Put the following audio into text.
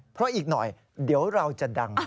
เพราะอีกหน่อยเดี๋ยวเราจะดัง